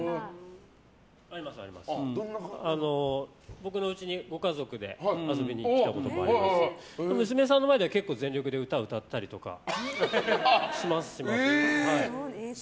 僕のうちにご家族で遊びに来たことがありまして娘さんの前では結構全力で歌を歌ったりします。